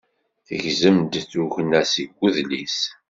Tegzem-d tugna seg udlis.